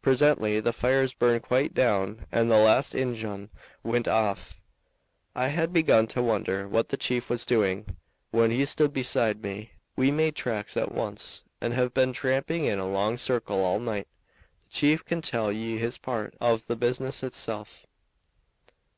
Presently the fires burned quite down and the last Injun went off. I had begun to wonder what the chief was doing, when he stood beside me. We made tracks at once and have been tramping in a long circle all night. The chief can tell ye his part of the business hisself."